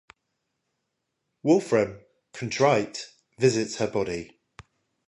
Wolfram, contrite, visits her body.